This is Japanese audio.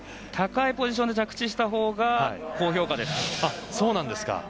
高いポジションで着地したほうが高評価ですね。